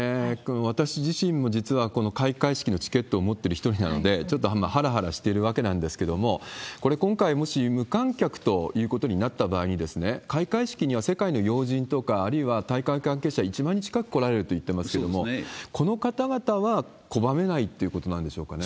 私自身も実はこの開会式のチケットを持ってる一人なんで、ちょっとはらはらしてるわけなんですけれども、これ、今回もし無観客ということになった場合に、開会式には世界の要人とか、あるいは大会関係者１万人近く来られるといっていますけれども、この方々は拒めないってことなんでしょうかね？